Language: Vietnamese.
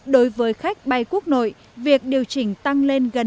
đối với khách bay quốc nội việc điều chỉnh tăng lên gần một mươi hai